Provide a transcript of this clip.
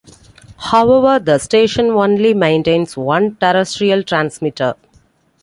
However, the station only maintains one terrestrial transmitter.